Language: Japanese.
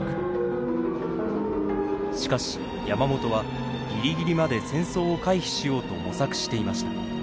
しかし山本はギリギリまで戦争を回避しようと模索していました。